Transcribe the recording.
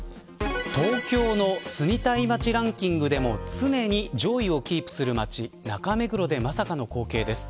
東京の住みたい街ランキングでも常に上位をキープする街中目黒でまさかの光景です。